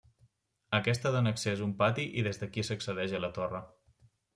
Aquesta dóna accés a un pati i des d'aquí s'accedeix a la torre.